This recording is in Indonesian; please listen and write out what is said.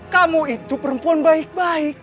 kamu itu perempuan baik baik